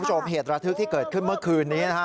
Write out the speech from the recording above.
เหตุระทึกที่เกิดขึ้นเมื่อคืนนี้นะฮะ